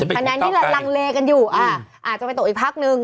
คะแนนที่ลังเลกันอยู่อาจจะไปตกอีกพักนึง